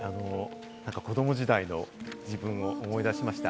子ども時代の自分を思い出しました。